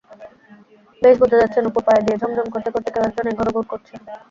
বেশ বোঝা যাচ্ছে নূপুর পায়ে দিয়ে ঝমঝম করতে-করতে কেউ-একজন এঘর-ওঘর করছে।